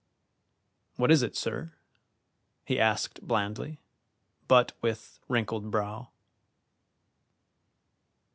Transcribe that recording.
"What is it, sir?" he asked blandly, but with wrinkled brow.